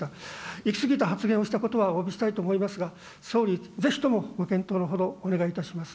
行き過ぎた発言をしたことは、おわびしたいと思いますが、総理、ぜひともご検討のほどお願いいたします。